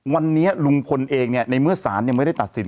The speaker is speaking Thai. วันนี้ลุงพลเองเนี่ยในเมื่อสารยังไม่ได้ตัดสิน